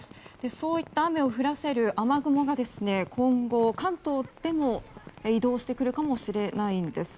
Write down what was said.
そういった雨を降らせる雨雲が、今後関東でも移動してくるかもしれないんです。